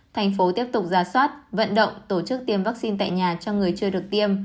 thành phố tiếp tục ra soát vận động tổ chức tiêm vaccine tại nhà cho người chưa được tiêm